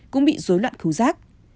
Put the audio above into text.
cũng bị dối loạn khứu sát